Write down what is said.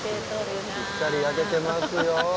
しっかり焼けてますよ。